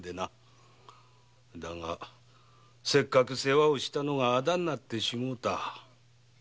だがせっかく世話をしたのが仇になってしもうた。